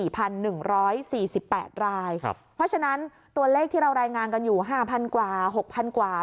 เพราะฉะนั้นตัวเลขที่เรารายงานกันอยู่๕๐๐กว่า๖๐๐กว่า